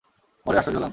বড়োই আশ্চর্য হলাম।